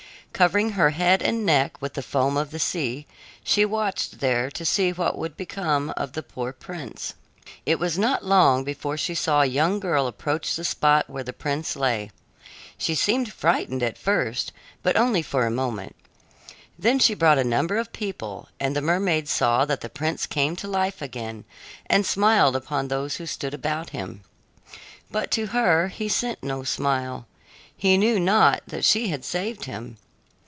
Covering her head and neck with the foam of the sea, she watched there to see what would become of the poor prince. It was not long before she saw a young girl approach the spot where the prince lay. She seemed frightened at first, but only for a moment; then she brought a number of people, and the mermaid saw that the prince came to life again and smiled upon those who stood about him. But to her he sent no smile; he knew not that she had saved him.